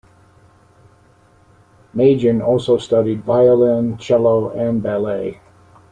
Magin also studied violin, cello and ballet.